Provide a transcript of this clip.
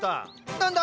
何だ⁉